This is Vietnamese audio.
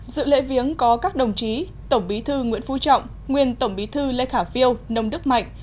dự lễ viếng có các đồng chí tổng bí thư nguyễn phú trọng nguyên tổng bí thư lê khả phiêu nông đức mạnh